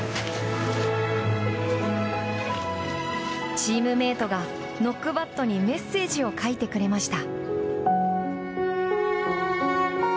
チームメートがノックバットにメッセージを書いてくれました。